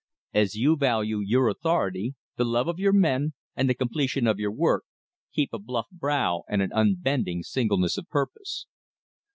As you value your authority, the love of your men, and the completion of your work, keep a bluff brow and an unbending singleness of purpose.